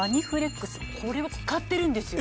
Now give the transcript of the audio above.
これを使ってるんですよ。